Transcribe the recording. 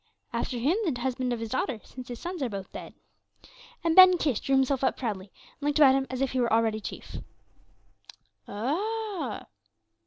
"After him, the husband of his daughter, since his sons are both dead." And Ben Kish drew himself up proudly and looked about him as if he were already chief. "Ah!"